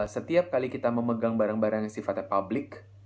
setiap kali kita memegang barang barang yang sifatnya publik